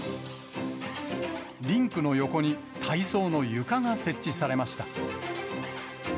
リンクの横に、体操の床が設置されました。